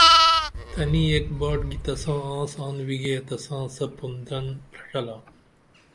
تنی ایک باٹ گی تساں آنس آن ویگے تساں سپُن دن پرڇھلا